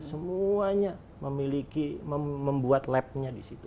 semuanya memiliki membuat labnya di situ